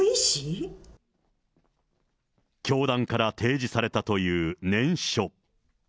教団から提示されたという念書。